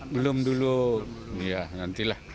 belum dulu ya nantilah